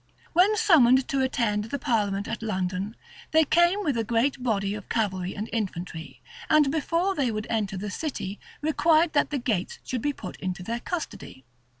When summoned to attend the parliament at London, they came with a great body of cavalry and infantry; and before they would enter the city, required that the gates should be put into their custody.